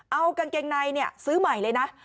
เอากางเกงในซื้อใหม่เลยนะ